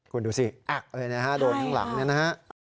คุณดูสิโดดข้างหลังนะฮะ